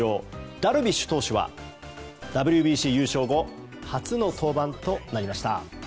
ダルビッシュ投手はＷＢＣ優勝後初の登板となりました。